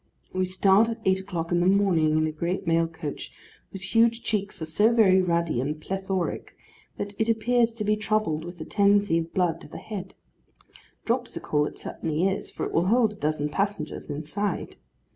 We start at eight o'clock in the morning, in a great mail coach, whose huge cheeks are so very ruddy and plethoric, that it appears to be troubled with a tendency of blood to the head. Dropsical it certainly is, for it will hold a dozen passengers inside.